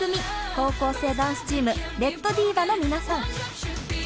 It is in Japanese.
高校生ダンスチームＲＥＤＤＩＶＡの皆さん。